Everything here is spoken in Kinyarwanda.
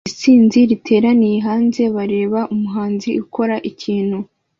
Isinzi riteraniye hanze bareba umuhanzi akora ikintu